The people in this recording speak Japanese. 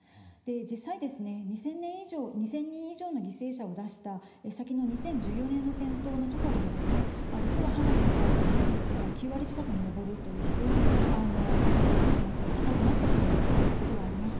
実際２，０００人以上の犠牲者を出した先の２０１４年の戦闘の直後も実はハマスに対する支持率は９割近くに上るという非常に高くなったということがありました。